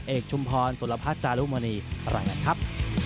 เอกชุมพรสุรพัฒน์จารุมณีอะไรกันครับ